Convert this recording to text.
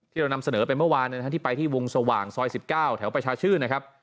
เรานำเสนอไปเมื่อวานที่ไปที่วงสว่างซอย๑๙แถวประชาชื่นนะครับ